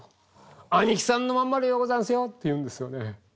兄貴さんのまんまでようござんすよ」って言うんですよね。